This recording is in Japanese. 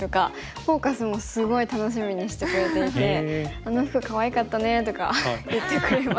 「フォーカス」もすごい楽しみにしてくれていて「あの服かわいかったね」とか言ってくれます。